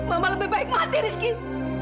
mama lebih baik mati rizkin